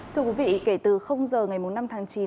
thưa quý vị kể từ giờ ngày năm tháng chín